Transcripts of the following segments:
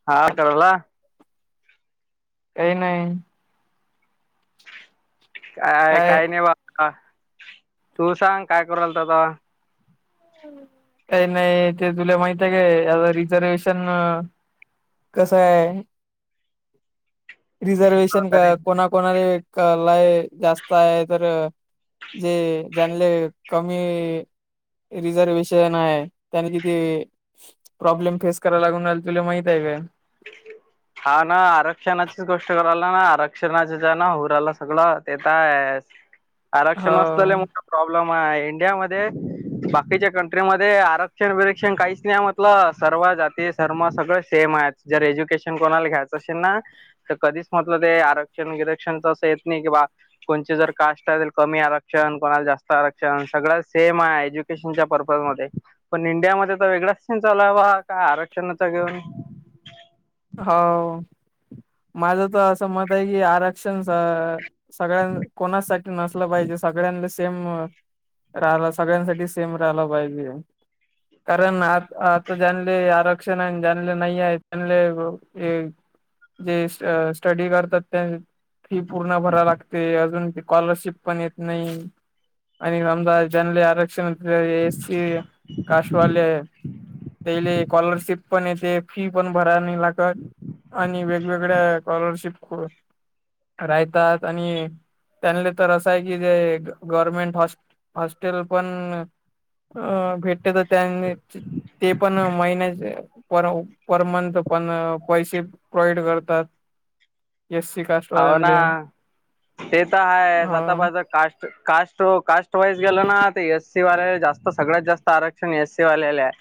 [unintelligible] हां करला काहि नाही. काय काही नाही बा, तू सांग काय करू रालतासा? काही नाही, ते तुले माहितय काय, आता रिझर्वेशन कसंय, रिझर्वेशन का कोणा कोणाले क लय जास्त आहे तर, जे ज्यानले कमी रिझर्वेशन आहे, त्यांनी तीथे प्रॉब्लेम फेस करायला लागून राहिलं तुला माहित आहे काय? हा ना, आरक्षणाचीच गोष्ट कराला ना, आरक्षणाच ना हू रायलं सगळं, ते तर हाय ह [inaudible] आरक्षण च लय मोठ प्रॉब्लेम हाय, इंडियामध्ये बाकीच्या कंट्रीमध्ये आरक्षण बिरक्षण काहीच नाही म्हटलं, सर्व जाती सर्म सगळं सेम आहे‌. जर एज्युकेशन कोणाल घ्यायचं असेल ना तर कधीच म्हटलं ते आरक्षण गिरक्षणच असं येत नाही, किं बा कोणची जर कास्ट आहे कमी आरक्षण, कोणाला जास्त आरक्षण सगळं सेम आहे, एज्यु च्या पर्पज् मध्ये, पण इंडिया मध्ये तर वेगळाच स चालुय बा आरक्षणाचा घेऊन हो, माझं तर असं मत आहे की आरक्षणच सगळ्यां, कोणासाठी नसलं पायजे, सगळ्यांले सेम राहिला सगळ्यांसाठी सेम राहिला पायजे. कारण, आ आता जेणले आरक्षण आहे जणले नाही आहे त्यांले जे स्टडी करतात ते फि पूर्ण भरा लागते, अजून स्कॉलरशिप पण येत नाही, आणि समजा ज्यांनले आरक्षण ए एसी कास्ट वालेय, तेइले स्कॉलर्शिप पण येते, फी पण भराय नाही लागत, आणि वेगवेगळ्या स्कॉलरशिप रायतात आणि त्यांनले तर असं आहे की, जे गव्हर्मेंट हॉ हॉस्टेल पण अ भेटते तर त्यांनी ते पण महिन्याचे पर पर मंथ पण, पैसे प्रोवइड करतात. एससी कास्ट हाव ना, ते तर आहेच, हा आता माझं कास्ट कास् कास्ट वाईज गेल ना, ते एससी वाल्याला जास्त सगळ्यात जास्त आरक्षण एससी वाल्याले आय.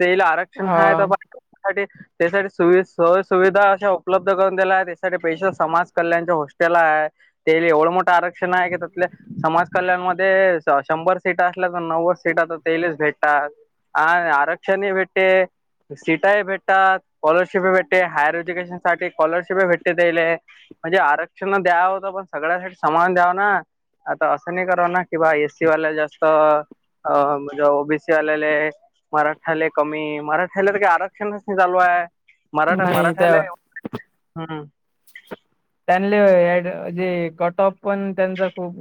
तेला आरक्षण हाय तर हा पण त्यासाठी सुई सोय सुविधा अशा उपलब्ध करून दिलाय, त्यासाठी पैशल समाज कल्याणचं हॉस्टेल हाय, तेले एवढं मोठं आरक्षण हाय की त्यातले समाज कल्याण मध्ये शंभर सीट असल्या तर, नव्वद सीटा तर तेलेच भेटतात. आणि आरक्षण इ भेटते. सीटाही भेटतात, स्कॉलरशिपही भेटते, हायर एज्युकेशन साठी स्कॉलरशिपही भेटते त्यायले. म्हणजे आरक्षण द्याव तर पण सगळ्यासाठी समान द्यावं ना. आता असं नाही कराव ना कि बा एसी वाल्याला जास्त अ म्हणजे ओबीसी वालेले मराठ्यालेय कमी, मराठ्याला तर काही आरक्षणच नाही चालू आय. मराठा नाही मराठ्याले त्या हम्म. त्यांले जे कटऑफ पण त्यांच खूप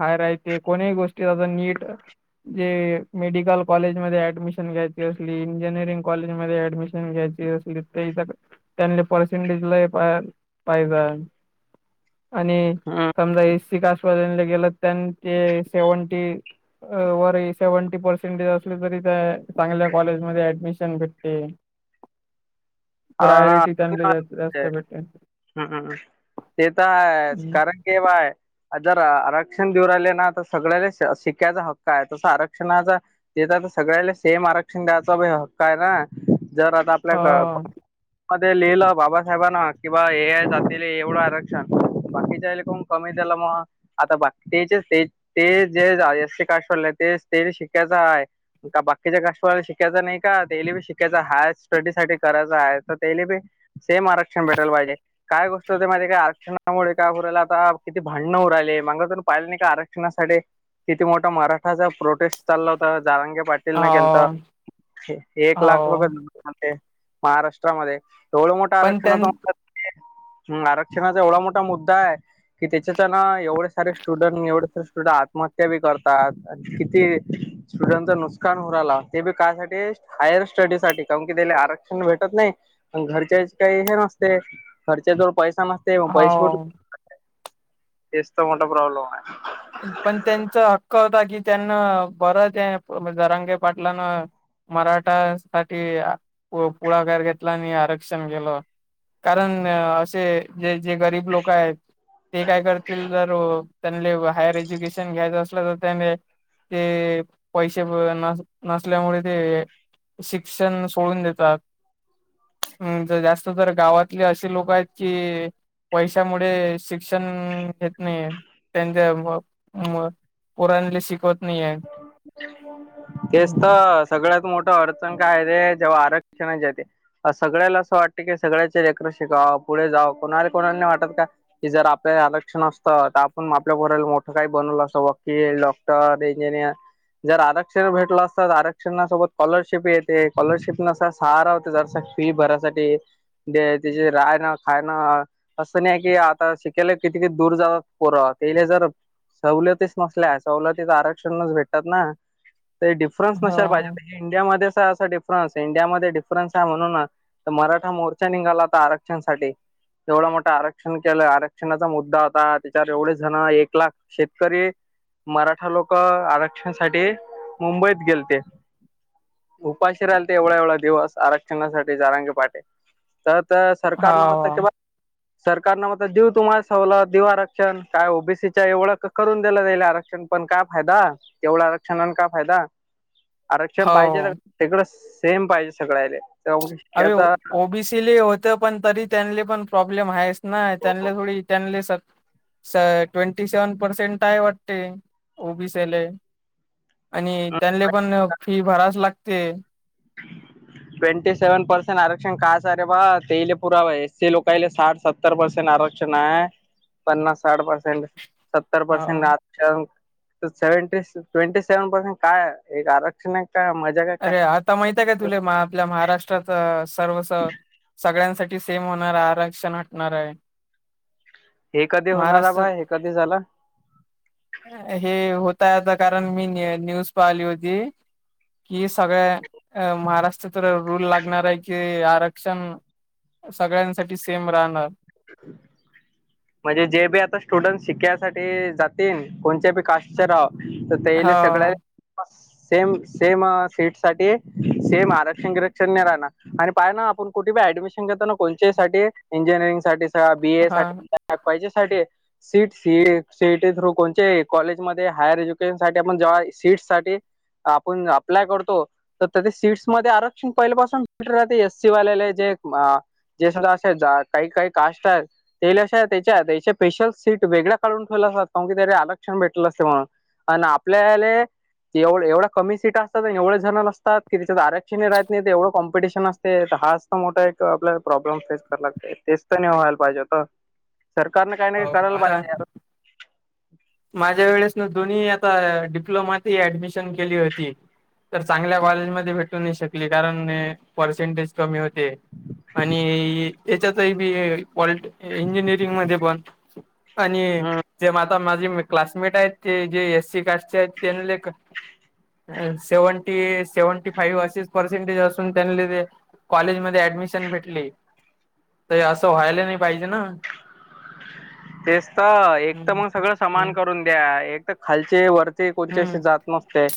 हाय राहते कोणी गोष्टी त्यो अजून नीट जे मेडिकल कॉलेज मध्ये ऍडमिशन घ्यायची असली इंजिनिअरिंग कॉलेज मध्ये ऍडमिशन घ्यायची त्यांले परसेंटेज लय पाहिजन आणि हम्म. समजा एससी कास्ट वाल्यांना गेलं त्यांन ते सेव्हनटी वर हे सेव्हंटी परसेंटेज असल तरी त्या चांगल्या कॉलेजमध्ये ऍडमिशन भेटते हा प्रायोरिटी त्यांना जास्त जास्त भेटते हू हू ते तर हायच कारण की पाय जर आरक्षण देऊ राहीले ना तर सगळ्याला शिकायचा हक्क आहे तस आरक्षणाचा त्याचा तर सगळ्याला सेम आरक्षण द्यायच हक्क हाय ना जर आता आपल्या अ क- मध्ये लिहिलं बाबासाहेबांन किंवा हे हे जातीले एवढं आरक्षण बाकीच्याले काउन कमी द्याले म आता बाकीचे जसे ते जे एस्सी कास्ट वाले ते शिकायचं हाय का बाकीच्या कास्टवाला शिकायचं नाही का तेली बी शिकायच हाय स्टडीसाठी करायचं आहे तर तेले बी सेम आरक्षण भेटायला पाहिजे काय गोष्ट होते माहित हाय काय आरक्षणामुळे काय हू राहील आता किती भांडणं होउ राहिले माग तुम्ही पाहिलं नाही का आर शणासाठी किती मोठा मराठाचा प्रोटेस्ट चालला होता जारंगे पा पाटील न केलत हा एक लाख लोक हो आलते महाराष्ट्रामध्ये येवढं मोठं पण आरक्षण त्यां होतं म हू आरक्षणाचा एवढा मोठा मुद्दा हाय कि त्याच्यात हाय ना एवढे सारे स्टुडंट एवढे सारे स्टुडंट आत्महत्या बी करतात किती स्टुडंटचं नुकसान हू राहिला ते बी कायसाठी हायर स्टडीसाठी काउन कि त्याले आरक शन भेटत नाही आणि घरच्यांची काही हे नसते घरच्यांजवळ पैसा नसते म पैसे हो तेच तर मोठा प्रॉब्लेम हाय पण त्यांचा हक्क होता की त्यांना बरं त्या जरांगे पाटलान मराठा साठी पुढाकार घेतला आणि आरक्षण केलं कारण असे जे जे गरीब लोक आहेत ते काय करतील जर त्यांले हायर एज्युकेशन घ्यायचं तर त्याने ते पैसे नसल्यामुळे ते शिक्षण सोडून देतात हू जास्त तर गावातली अशी लोक आहेत की पैशामुळे शिक्षण घेत नाहीयेत त्यामुळ मग पोरांले शिकवत नाहीये तेच तर सगळ्यात मोठा अडचण का येते जेव्हा आरक्षणच येते सगळ्याला असं वाटतते की सगळ्याचे लेकर शिकाव पुढे जाव कोणाले कोणाले नाही वाटत का जर आपल्याला आरक्षण असतं तर आपण आपल्या पोराला मोठं काय बनवलं असतं वकील डॉक्टर इंजिनिअर जर आरक्षण भेटलं असत तर आरक्षणा सोबत स्कॉलरशिप येते स्कॉलरशिप सारा होत जर फी भरायसाठी ते तीचे राहण खान असं नाही की आता शिकायला किती किती दूर जावं पोर कायले जर सवलतीच नसल्या सवलती तर आरक्षणच भेटतात ना ते डिफरन्स नसायला हा पाहिजे इंडियामध्येच असं डिफरन्स अस इंडियामध्ये डिफरन्स हाय म्हणूनच तर मराठा मोर्चा निघाला होता आरक्षणसाठी एवढं मोठं आरक्षण केलं आरक्षणाचा मुद्दा होता त्याच्यावर एवढे जण एक लाख शेतकरी मराठा लोक आरक्षणासाठी मुंबईत गेलते. उपाशी राहिले ते एवढा एवढा दिवस आरक्षणासाठी. जरांगे पाटील तर तर सरकार न मत के बा. सरकारने मात्र देऊ तुम्हाला सवलत देऊ तुम्हाला आरक्षण ओबीसीच्या एवढं करून दिलं जाईल आरक्षण पण काय. फायदा तेवढं आरक्षणाने का फायदा आरक्षण हा पाहिजे हो तर. तिकडं सेम पाहिजे सगळ्या ले. अबे ओबीसी. पण तरी त्यांले पण प्रॉब्लेम आहेस ना त्यां थोडी त्यां स ट्वेंटी सेव्हन पर्सेंट आहे वाटते ओबीसील ले. आणि त्यांले पण फी भरावीच लागते. ट्वेंटी सेव्हन पर्सेंट काय रे बा तेले पुरावा एसी लोकले साठ सात. सत्तर परसेंट आरक्षण आहे पन्नास साठ परसेंट. सत्तर हा परसेंट सेवटी ट्वेंटी सेव्हन पसेंट काय एक आरक्षण आहे काय म. अरे आता माहित आहे काय तुला आपल्या महाराष्ट्रात सर्वस. सगळ्यांसाठी सेम होणार हाय आरक्षण हटणार हाय् हे कधी होणारा बा हे कधी झालं. हे होत हाय आता कारण मी न्यूज पाहिली होती. ही सगळ्या महाराष्ट्रात रूल लागणार हाय की आरक्षण सगळ्यांसाठी सेम राहणार. म्हणजे जे बी आता स्टुडंट शिक्यासाठी जातील कोणच्या बी कास्. चे राव तर त्याले सगळ्या. हा सेम सेम सीट साठी सेम आरक्षण बीरक्षन नाय राणार. आणि पायना आपण कुठं बी ऍडमिशन घेतो कोणच्या बी साठी इंजीनियरिंग साठी बीए हा साठी. का पैजे साठी. सीट सी सीईटी थ्रू कोणचे कॉलेजमध्येध्ये हायर एज्युकेशन आपण सीट् साटी. आपण अप्लाय करतो. तर त्या ते सीट्स मध्ये आरक्षण पहिल्या पाासून भेट. राहते एस सी वालेला जे [unintelligible] जे सगळं असेलकाही काही काष्ट आहेत. ते लशा त्याच्या त्याच्या स्पेशल सीट वेगळ्या काढून ठेवल्या असतात का कि त्यारी आरक्षण भेटलं असते. म्हणून [unintelligible] अन आपल्या ले. एवढ्या कमी सीट असतात आणि एवढे झण नसतात की त्यािच्यात आरक्षणही राहत नाही ते एवढं कॉम्पिटिशन असते तर हा. मोठा एक आपल्याला प्रॉब्म फेस करा लात ते फेस. तेच त व्हायला पाहिजे होतसरकारने काही नाही करायला आता पाहिजे माझ्या वेळेस ना दोन्ही आता डिप्लोमात हि ऍडमिशन केली होती. तर चांगल्या कॉलेजमध्ये भेटू नाही शकली कारण. पसेंटेज क होते आणि यच्यात हि पॉली. इंजिनिअरिंग मध्ये पण आणि हम्म जे आता माझी. क्लासमेट आहेत ते एस सी काष्टचे आहेत. सेव्हनटी एट सेव्हनटी फाईव्ह असेच पर्सेंटेज असून त्यांले. कॉलेजमध्येध्ये ऍडमिशन भेटली तर असं व्हायला नाही पाहिजे न. तेच तर एक तर मग सगळं हम्म समान करून द्या एक तर खालचे वर. ते कोण चीशी हम्म जात नसते.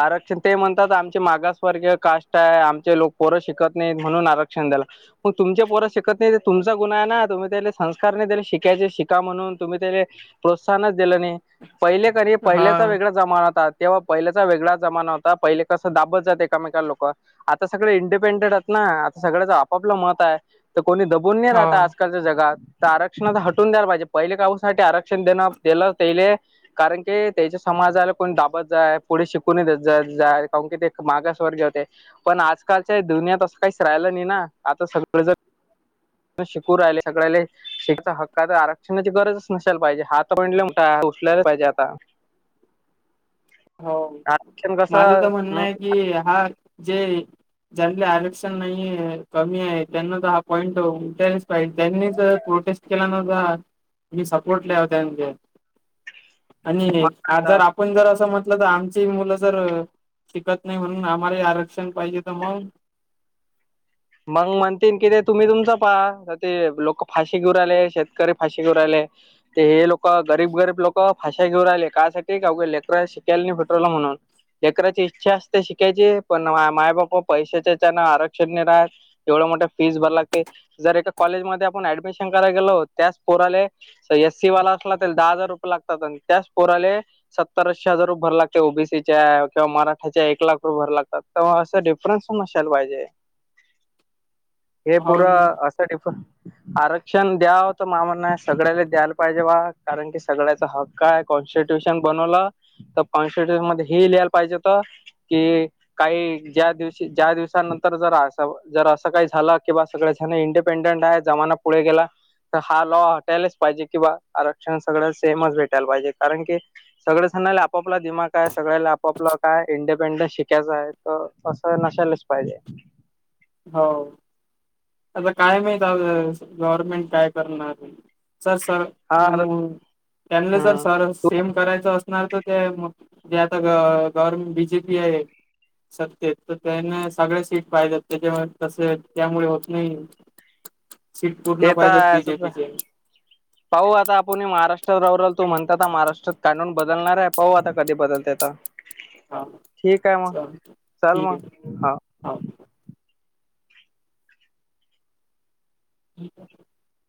आरक्षण ते म्हणतात आमचे मागासवर्गीय काष्ट आहे आमचे लोक पोरं शिकत नाहीत म्हणून आरक्षण देल. मग तुमच्या पोर शिकत नाही तुमचा गुन्हा आहे ना तुम्ही त्या संस्कार नाही देले. शिकायचे शिका म्हणून, तुम्ही काय प्रोत्साहनच दिलं नाही. पहिले कणी पहिल्या चा हा. वेगळ्या जमाना होता. तेव्हा पहिल्याचा वेगळा जमाना होता, पहिले कसं दाबत जात एकामेका लोक. आता सगळे इंडिपेंडेंट आहेत ना, आता सगळ्याचं आपापलं मत आहे. तर कोणी दबून नाही राहत हा. आजकालच्या जगात तर क्षण हाटून द्यायला पाहिजे, पहिले काऊसाठी आरक्षण देणं दिलं त्यायले कारण की त्याच्या समाजाला कोणी दाबत जाय, पुढे शिकून जा य का वुन की ते मागासवर्गे होते पण आजकाल दुनियात असं राहिलं नाही ना, आता सगळं जर शिकू राहिले सगळ्याले. हक्काच आरक्षणाची गरजच नसाला पाहिजे, हात [unintelligible] पाहिजे आता हो आरक्षण माझं तर कसं म्हणणं हम्म आहे की, हा जे.. ज्यांले आरक्षण नाही कमी आहे, त्यांना तर हा पॉईंट त उठलीच पाहिजे. प्रोटेस्ट केला मग, मी सपोर्ट [unintelligible] त्यानले आणि मग आ आता जर आपण जर, असं म्ह लं तर आमची मुलं जर शिकत नाही म्हणून आम्हा ले आरक्षण पाहिजे तर मग मग म्हणतील ते तुम्ही तुमच पाहा, तसाही तर ते लोक फाशी घेऊ राहले शेतकरी फाशी घेऊ राहिले ते हे लोक गरीब गरीब लोक फाशा घेऊ राहिले, कासाठी की लेकर शिकायला भेटरवलं म्हणून. लेकराची इच्छा असते शिकायची, पण माय बाप पैशाच्या च्यान आरक्षणने राहात एवढं मोठं फीस भरायला लागते, जर एका कॉलेजमध्येध्ये आपण ऍडमिशन करायला गेलो त्याच पोराले एससी वाला असला तर दहा हजार रुपये लागतात, न अन त्याच पोराले. सत्तर ऐशी हजार रुपेया भर लागते ओबीसीच्या किंवा मराठ्याच्या एक लाख रुपये भरायला लागतात. तवा असं डिफरन्स असायला पाहिजे. हे पुर हो असं डिफ आरक्षण द्याव तर मा म्हण सगळ्या ले द्यायला, पाहिजे वा कारण की सगळ्याचा हक काय कॉन्स्टिट्युशन बनवलं, तर कॉन्स्टिट्युशन मध्ये हे लिहायला पाहिजे त काही ज्या दिवशी दिवसानंतर जर असं जर असं काही झालं कि, बा सगळे जण इंडिपेंडेंट आहे जमाना पुढे गेला हा लॉ हटायलाच पाहिजे, किंवा आरक्षण सगळ सेमच भेटायला पाहिजे, कारण की सगळेच जनाला आपोपला दिमाग आय सगळ्याला आपापला काय इंडिपेंड शिकायचं आय तर असं नशालेस. पाहिजे. होव. आता काय माहित आ गव्हर्नमेंट काय करणार ये. सर सर हा [unintelligible] हम्म सरच तू सेम करायचं असणार तर ते मग, जे आता गव्हर्नमेंट बीजेपी आहे. सत्तेत तर त्यांना सगळे सीट पाहिजेत, त्यांच्यामुळे तसं त्यामुळे होत नाही. सीट ते पूर्ण तर पाहिजेत असंच बीजेपी चे. पाहू आता, आपण महाराष्ट्रात राहू रहाल तुम्ही म्हणतात ना, महाराष्ट्रात कानून बदलणार आहे पाहू आता कधी बदलते ते. हा ठीक आहे मग, चल मग हा. हां. [inaudible]